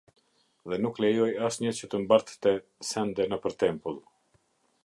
Dhe nuk lejoi asnjë që të mbartte sende nëpër tempull.